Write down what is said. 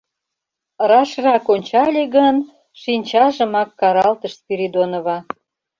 Рашрак ончале гын, шинчажымак каралтыш Спиридонова.